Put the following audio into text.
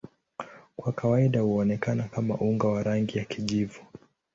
Kwa kawaida huonekana kama unga wa rangi ya kijivu.